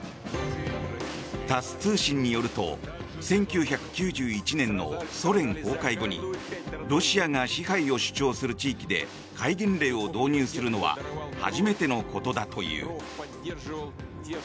タス通信によると１９９１年のソ連崩壊後にロシアが支配を主張する地域で戒厳令を導入するのは初めてのことだという。